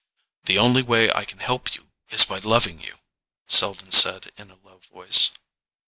"The only way I can help you is by loving you," Selden said in a low voice.